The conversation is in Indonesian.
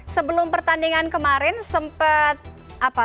sebelum pertandingan kemarin sempat apa